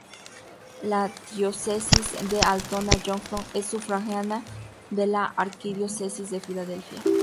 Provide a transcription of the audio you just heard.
La Diócesis de Altoona-Johnstown es sufragánea de la Arquidiócesis de Filadelfia.